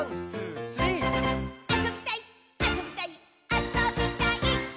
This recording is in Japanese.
あそびたいっ！」